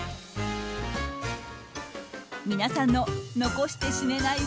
皆さんの残して死ねない